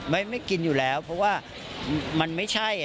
ไม่กินอยู่แล้วเพราะว่ามันไม่ใช่